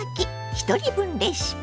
ひとり分レシピ」。